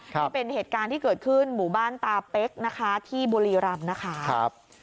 นี่เป็นเหตุการณ์ที่เกิดขึ้นหมู่บ้านตาเป๊กนะคะที่บุรีรำนะคะ